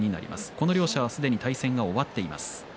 この両者はすでに対戦が終わっています。